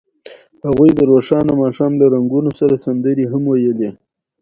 هغوی د روښانه ماښام له رنګونو سره سندرې هم ویلې.